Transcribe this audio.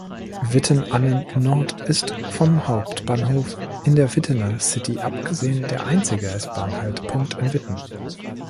Witten-Annen-Nord ist, vom Hauptbahnhof in der Wittener City abgesehen, der einzige S-Bahn-Haltepunkt in Witten.